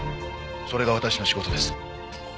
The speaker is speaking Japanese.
それが私の仕事です。